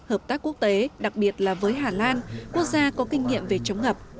hợp tác quốc tế đặc biệt là với hà lan quốc gia có kinh nghiệm về chống ngập